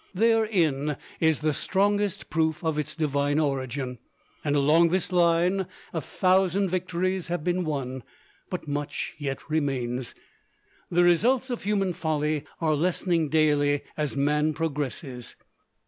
Therein is the strongest proof of its divine origin. And along this line a thousand victories have been won but much yet remains. The results of human folly are lessening daily as man progresses.